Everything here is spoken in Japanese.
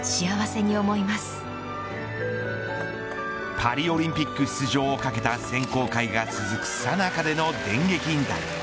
パリオリンピック出場を懸けた選考会が続くさなかでの、電撃引退。